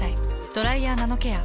「ドライヤーナノケア」。